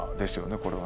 これはね。